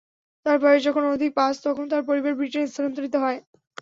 তার বয়স যখন অনধিক পাঁচ, তখন তার পরিবার ব্রিটেনে স্থানান্তরিত হয়।